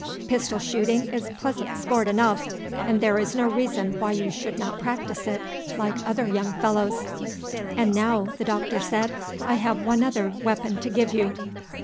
Pistol shooting is pleasant sport enough, and there is no reason why you should not practise it like other young fellows. And now," the Doctor said, "I have one other, weapon to give you."